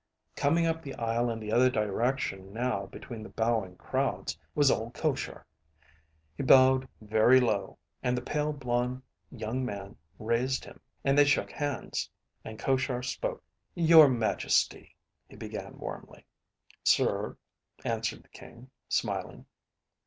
Coming up the aisle in the other direction now between the bowing crowds was old Koshar. He bowed very low, and the pale blond young man raised him and they shook hands, and Koshar spoke. "Your Majesty," he began warmly. "Sir," answered the King, smiling.